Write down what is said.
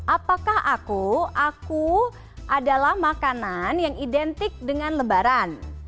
apakah aku aku adalah makanan yang identik dengan lebaran